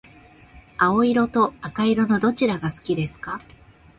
青色と赤色のどちらが好きですか？